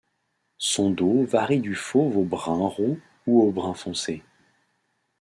Son dos varie du fauve au brun roux ou au brun foncé.